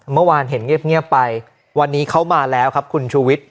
เมื่อวานเห็นเงียบไปวันนี้เขามาแล้วครับคุณชูวิทย